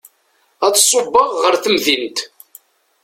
Ad ṣubbeɣ ɣer temdint.